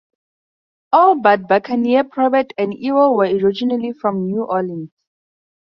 All but Buckner, Probert, and Ewell were originally from New Orleans.